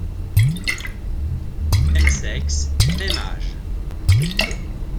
Même sexe, même âge.